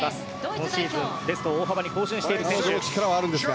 このシーズン、ベストを大幅に更新している選手です。